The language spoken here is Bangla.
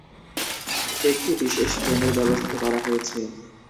একটি বিশেষ ট্রেনের ব্যবস্থা করা হয়েছে।